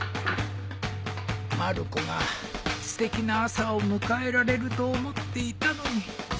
まる子がすてきな朝を迎えられると思っていたのに